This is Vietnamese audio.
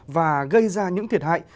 và gây ra những thiệt hại